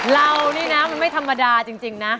เรานี่นะมันไม่ธรรมดาจริงนะ